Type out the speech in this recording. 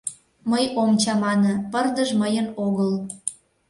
— Мый ом чамане, пырдыж мыйын огыл.